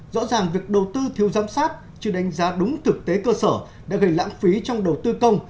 rõ ràng việc đầu tư thiếu giám sát chưa đánh giá đúng thực tế cơ sở đã gây lãng phí trong đầu tư công